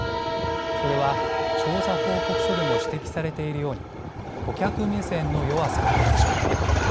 それは、調査報告書でも指摘されているように顧客目線の弱さでしょう。